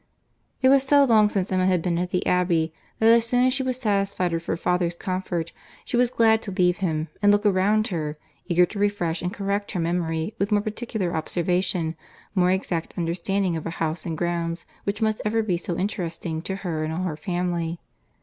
It was so long since Emma had been at the Abbey, that as soon as she was satisfied of her father's comfort, she was glad to leave him, and look around her; eager to refresh and correct her memory with more particular observation, more exact understanding of a house and grounds which must ever be so interesting to her and all her family.